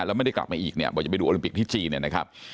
แล้วไม่ได้กลับมาอีกเนี่ยบอกจะไปดูโอลิมปิกที่จีนเนี่ยนะครับ